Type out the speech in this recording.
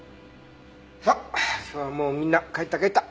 さあさあもうみんな帰った帰った！